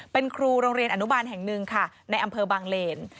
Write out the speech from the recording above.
เป็นครูโรงเรียนอนุบาลแห่งหนึ่งค่ะในอำเภอบางเลน